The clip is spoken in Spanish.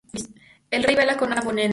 El rey baila con Ana Bolena.